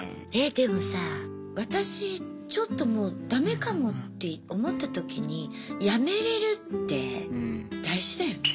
でもさ私ちょっともうダメかもって思った時に辞めれるって大事だよね。